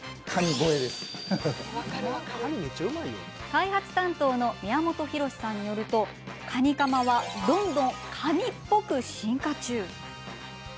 開発担当の宮本裕志さんによるとカニカマはどんどんカニっぽく進化中。